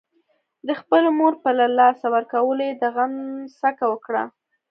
د خپلې مور په له لاسه ورکولو يې د غم څکه وکړه.